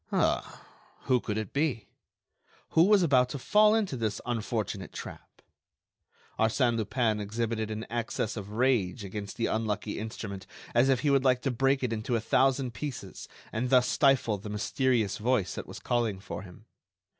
Ah! Who could it be? Who was about to fall into this unfortunate trap? Arsène Lupin exhibited an access of rage against the unlucky instrument as if he would like to break it into a thousand pieces and thus stifle the mysterious voice that was calling for him.